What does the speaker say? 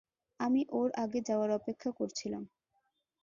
আমি ওর আগে যাওয়ার অপেক্ষা করছিলাম।